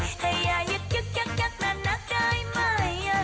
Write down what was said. ให้อย่ายึกยึกยักยักนานักได้ไหม